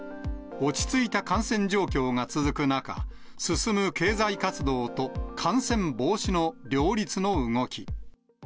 落ち着いた感染状況が続く中、進む経済活動と感染防止の両立の動き。